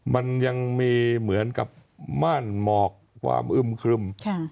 มันยังมีเหมือนกับม่านหมอกความอึ้มครึม